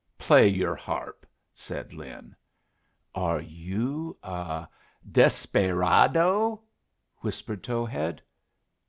"Play your harp," said Lin. "Are you a a desperaydo?" whispered Towhead.